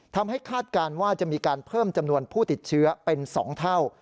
คาดการณ์ว่าจะมีการเพิ่มจำนวนผู้ติดเชื้อเป็น๒เท่า